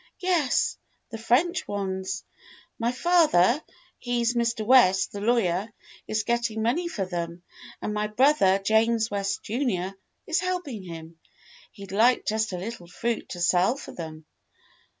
"Yes, the French ones. My father, he's Mr. West, the lawyer, is getting money for them, and my brother, James West, Jr., is helping him. He'd like just a little fruit to sell for them."